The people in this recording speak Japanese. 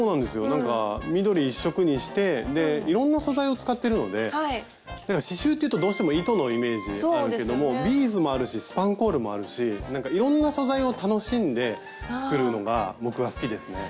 なんか緑一色にしてでいろんな素材を使ってるので刺しゅうっていうとどうしても糸のイメージあるけどもビーズもあるしスパンコールもあるしなんかいろんな素材を楽しんで作るのが僕は好きですね。